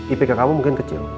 ipk kamu mungkin kecil